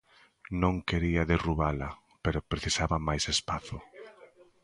Non quería derrubala, pero precisaba máis espazo.